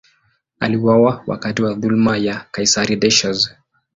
Aliuawa wakati wa dhuluma ya kaisari Decius.